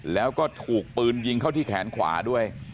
แล้วก็ถูกปืนยิงเข้าที่แขนขวาด้วย